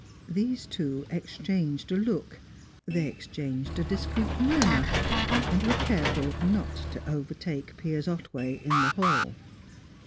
These two exchanged a look; they exchanged a discreet murmur; and were careful not to overtake Piers Otway in the hall.